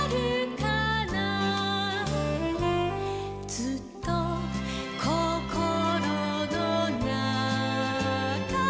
「ずっとこころのなか」